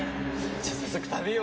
じゃあ早速食べよう。